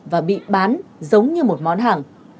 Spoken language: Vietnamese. và bị bán giống như một món hàng